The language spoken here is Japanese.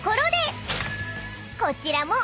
［こちらも］